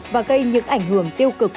và gây những ảnh hưởng tiêu cực